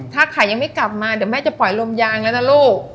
ถ้าขายังไม่กลับมาเดี๋ยวแม่จะปล่อยลมยางแล้วนะลูก